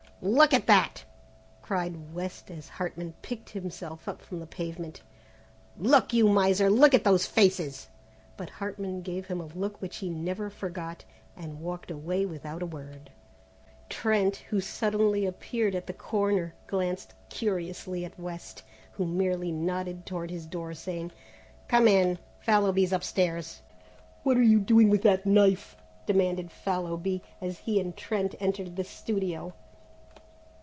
"Look at that," cried West as Hartman picked himself up from the pavement, "look! you miser! look at those faces!" But Hartman gave him a look which he never forgot, and walked away without a word. Trent, who suddenly appeared at the corner, glanced curiously at West, who merely nodded toward his door saying, "Come in; Fallowby's upstairs." "What are you doing with that knife?" demanded Fallowby, as he and Trent entered the studio.